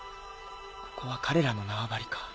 ここは彼らの縄張か。